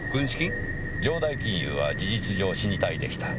城代金融は事実上死に体でした。